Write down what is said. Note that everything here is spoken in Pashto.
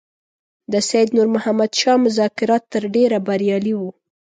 د سید نور محمد شاه مذاکرات تر ډېره بریالي وو.